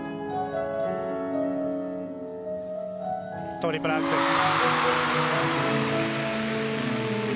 トリプルアクセル。